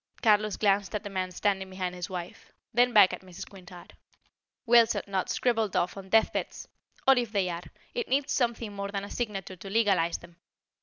Carlos glanced at the man standing behind his wife; then back at Mrs. Quintard. "Wills are not scribbled off on deathbeds; or if they are, it needs something more than a signature to legalize them.